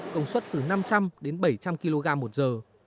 công suất từ năm trăm linh đến bảy trăm linh kg một giờ